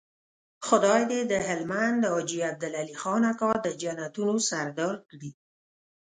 خدای دې د هلمند حاجي عبدالعلي خان اکا د جنتونو سردار کړي.